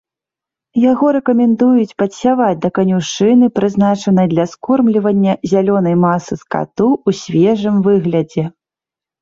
Яго рэкамендуюць падсяваць да канюшыны, прызначанай для скормлівання зялёнай масы скату ў свежым выглядзе.